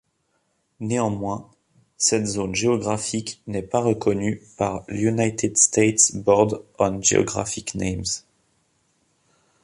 Néanmoins, cette zone géographique n'est pas reconnue par l'United States Board on Geographic Names.